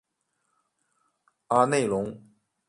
阿内龙。